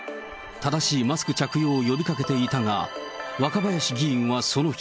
ただしいマスク着用を呼びかけていたが、若林議員はその日。